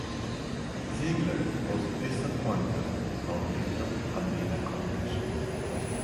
Ziegler was disappointed how little had been accomplished.